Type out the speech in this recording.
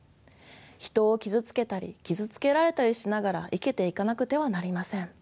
人を傷つけたり傷つけられたりしながら生きていかなくてはなりません。